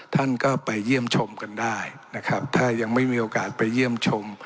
ท่านก็ไปเยี่ยมชมกันได้นะครับถ้ายังไม่มีโอกาสไปเยี่ยมชม